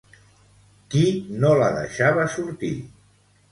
Qui no la deixava sortir?